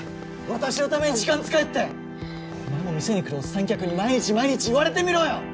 私のために時間使えってお前も店に来るおっさん客に毎日毎日言われてみろよ！